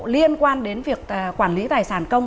liên quan đến việc quản lý tài sản công